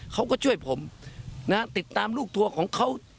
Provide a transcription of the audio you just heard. เขาก็ช่วยผมนะติดตามลูกทัวร์ของเขา